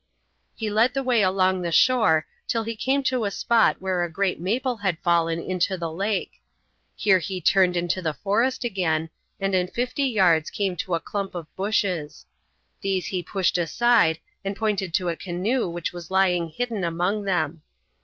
He led the way along the shore until he came to a spot where a great maple had fallen into the lake; here he turned into the forest again, and in fifty yards came to a clump of bushes; these he pushed aside and pointed to a canoe which was lying hidden among them.